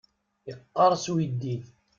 Iqqers uyeddid.